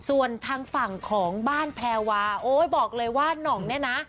ส่วนทางฝั่งของบ้านแพรวาโอ๊ยบอกเลยว่าน่องเนี่ยนะ